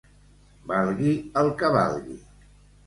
Valgui el que valgui.